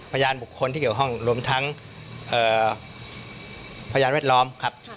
พยานบุคคลที่เกี่ยวข้องรวมทั้งพยานแวดล้อมครับ